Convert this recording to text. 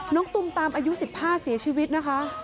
ตุมตามอายุ๑๕เสียชีวิตนะคะ